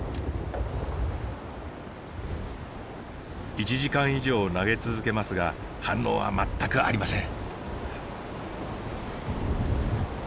１時間以上投げ続けますが反応は全くありません。